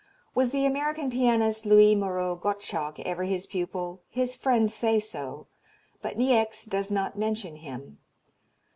Was the American pianist, Louis Moreau Gottschalk, ever his pupil? His friends say so, but Niecks does not mention him.